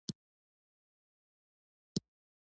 ازادي راډیو د د بیان آزادي په اړه د خلکو احساسات شریک کړي.